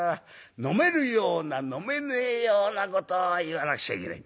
飲めるような飲めねえようなことを言わなくちゃいけねえ。